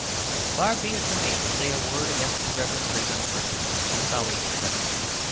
Far be it from me to say a word against the Reverend Raymond Percy, the colleague in question.